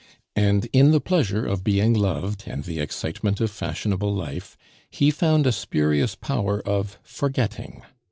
And in the pleasure of being loved, and the excitement of fashionable life, he found a spurious power of forgetting.